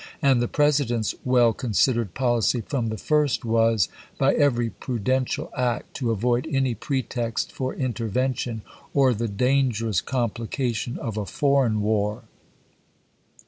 And the President's well considered policy from the first was, by every pru dential act to avoid any pretext for intervention, or the dangerous complication of a foreign war.